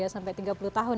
sampai tiga puluh tahun